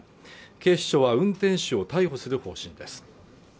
警視庁は運転手を逮捕する方針です